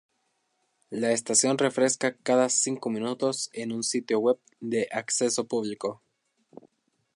La estación refresca cada cinco minutos un sitio web de acceso público.